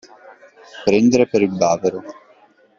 Prendere per il bavero.